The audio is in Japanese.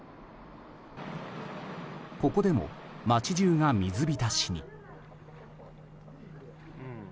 ここでも街中が水浸しに。